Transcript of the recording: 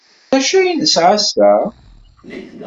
D acu ay nesɛa ass-a?